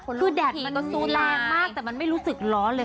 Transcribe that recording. คือแดดมันก็สู้แรงมากแต่มันไม่รู้สึกร้อนเลย